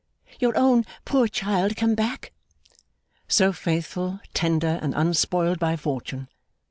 Your own poor child come back!' So faithful, tender, and unspoiled by Fortune.